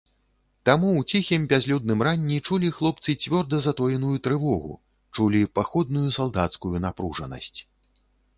Таму ў ціхім бязлюдным ранні чулі хлопцы цвёрда затоеную трывогу, чулі паходную салдацкую напружанасць.